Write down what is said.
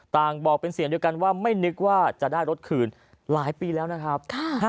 บอกเป็นเสียงเดียวกันว่าไม่นึกว่าจะได้รถคืนหลายปีแล้วนะครับ